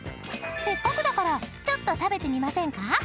［せっかくだからちょっと食べてみませんか？］